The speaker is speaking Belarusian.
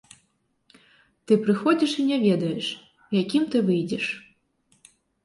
Ты прыходзіш і не ведаеш, якім ты выйдзеш.